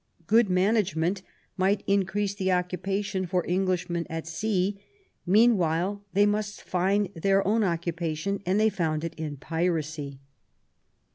Good management might increase the occupation for Englishmen at sea; meanwhile they must find their own occupation and they found it in piracy.